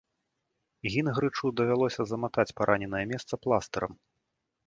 Гінгрычу давялося заматаць параненае месца пластырам.